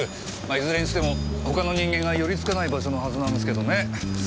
いずれにしても他の人間が寄り付かない場所のはずなんですけどね。